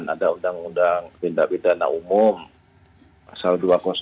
ada uu bintang bidana umum pasal dua ratus tujuh